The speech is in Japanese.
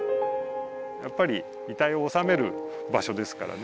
やっぱり遺体をおさめるばしょですからね。